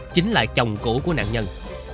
chính là chồng cũ của nạn nhân